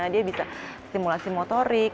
dia bisa stimulasi motorik